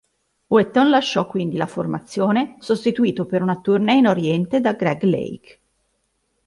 Wetton lasciò quindi la formazione, sostituito per una tournée in oriente da Greg Lake.